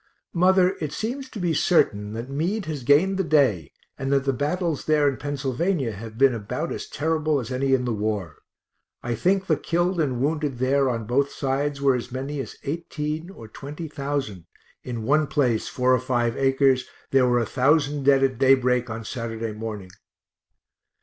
_ Mother, it seems to be certain that Meade has gained the day, and that the battles there in Pennsylvania have been about as terrible as any in the war I think the killed and wounded there on both sides were as many as eighteen or twenty thousand in one place, four or five acres, there were a thousand dead at daybreak on Saturday morning.